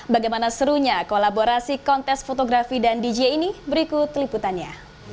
bagaimana serunya kolaborasi kontes fotografi dan dj ini berikut liputannya